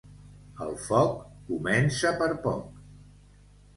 El foc comença per poc.